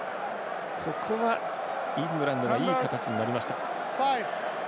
ここは、イングランドがいい形になりました。